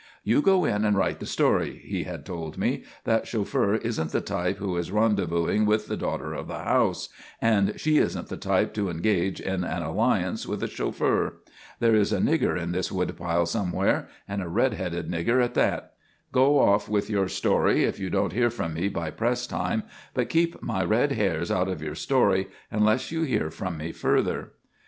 "You go in and write the story," he had told me. "That chauffeur isn't the type who is rendezvousing with the daughter of the house; and she isn't the type to engage in an alliance with a chauffeur. There is a nigger in this woodpile some place and a red headed nigger at that. Go off with your story if you don't hear from me by press time, but keep my red hairs out of your story unless you hear from me further."